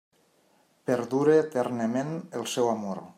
Perdura eternament el seu amor.